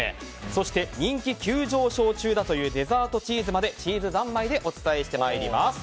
そして人気急上昇中だというデザートチーズまでチーズざんまいでお伝えしてまいります。